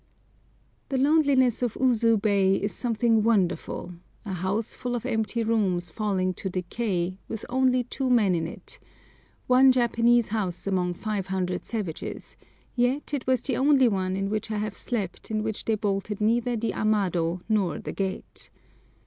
The loneliness of Usu Bay is something wonderful—a house full of empty rooms falling to decay, with only two men in it—one Japanese house among 500 savages, yet it was the only one in which I have slept in which they bolted neither the amado nor the gate.